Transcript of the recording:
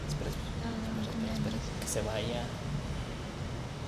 دا رنګونه نه ځي.